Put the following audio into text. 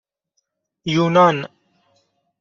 یونان